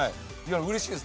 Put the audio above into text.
うれしいです。